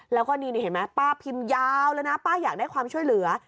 แล้วก็นี่เห็นไหมป้าพิมพ์ยาวเลยนะป้าอยากได้ความช่วยเหลือ